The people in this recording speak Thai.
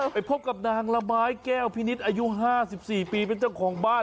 ไปพบกับนางละไม้แก้วพินิษฐ์อายุ๕๔ปีเป็นเจ้าของบ้าน